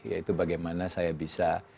yaitu bagaimana saya bisa